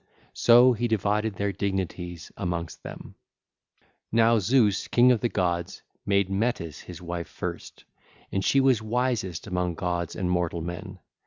So he divided their dignities amongst them. (ll. 886 900) Now Zeus, king of the gods, made Metis his wife first, and she was wisest among gods and mortal men.